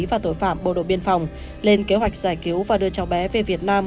và tội phạm bộ đội biên phòng lên kế hoạch giải cứu và đưa cháu bé về việt nam